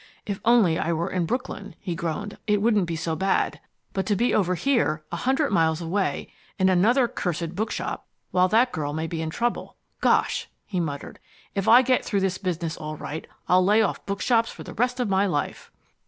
"If only I were in Brooklyn," he groaned, "it wouldn't be so bad. But to be over here, a hundred miles away, in another cursed bookshop, while that girl may be in trouble Gosh!" he muttered. "If I get through this business all right I'll lay off bookshops for the rest of my life!"